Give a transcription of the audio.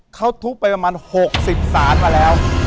เขาทุบไปประมาณ๖๐สารมาแล้ว